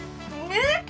えっ！？